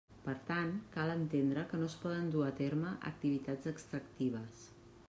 Per tant, cal entendre que no es poden dur a terme activitats extractives.